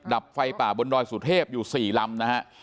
ดับไฟป่าบนดอยสุเทพอยู่๔ลำนะฮะ